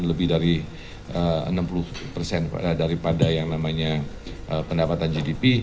lebih dari enam puluh persen daripada yang namanya pendapatan gdp